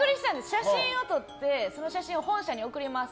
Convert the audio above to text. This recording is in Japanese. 写真を撮ってその写真を本社に送ります。